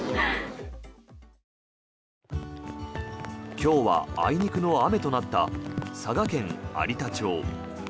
今日はあいにくの雨となった佐賀県有田町。